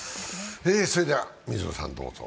それでは水野さんどうぞ。